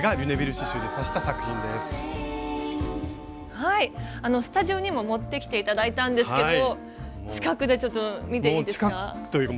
はいスタジオにも持ってきて頂いたんですけど近くで見ていいですか？